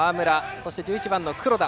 そして１１番の黒田。